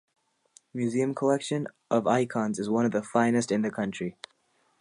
Museum collection of icons is one of the finest in the country.